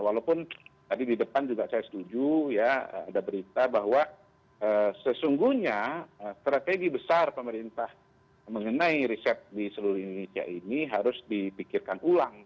walaupun tadi di depan juga saya setuju ya ada berita bahwa sesungguhnya strategi besar pemerintah mengenai riset di seluruh indonesia ini harus dipikirkan ulang